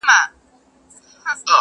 دا نظم وساته موسم به د غوټیو راځي!